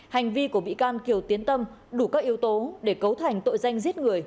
hành vi của bị can kiều tiến tâm đủ các yếu tố để cấu thành tội danh giết người